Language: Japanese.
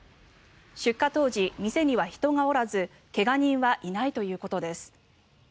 出火当時、店には人がおらず怪我人はいないということです。